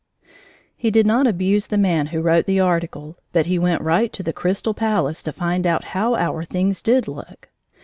He did not abuse the man who wrote the article, but he went right to the Crystal Palace to find out how our things did look.